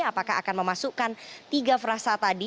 apakah akan memasukkan tiga frasa tadi